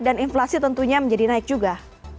inflasi tentunya menjadi naik juga